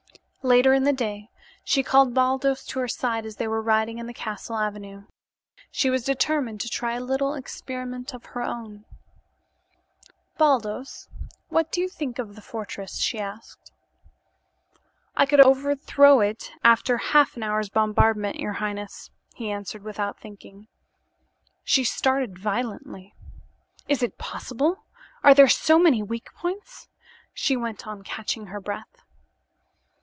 Later in the day she called Baldos to her side as they were riding in the castle avenue. She was determined to try a little experiment of her own. "Baldos, what do you think of the fortress?" she "I could overthrow it after half an hour's bombardment, your highness," he answered, without thinking. She started violently. "Is it possible? Are there so many weak points?" she went on, catching her breath.